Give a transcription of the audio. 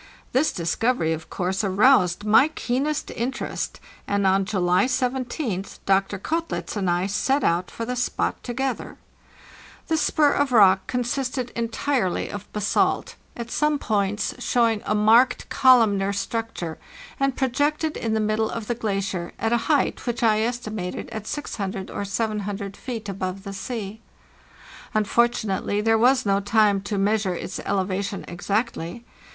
This discovery, of course, aroused my keenest interest, and on July 17th Dr. Koetlitz and I set out for the spot together. The spur of rock THE JOURNEY SOUTHWARD 559 consisted entirely of basalt, at some points showing a marked columnar structure, and projected in the middle of the glacier, at a height which I estimated at 600 or 700 feet above the sea. Unfortunately, there was no A STRANGE ROCK OF BASALT time to measure its elevation exactly.